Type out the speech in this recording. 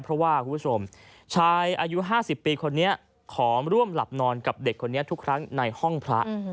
เพราะว่าคุณผู้ชมชายอายุ๕๐ปีคนนี้ขอร่วมหลับนอนกับเด็กคนนี้ทุกครั้งในห้องพระ